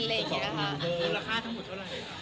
คือภาพทั้งหมดเท่าไหร่ค่ะ